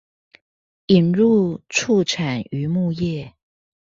引入畜產漁牧業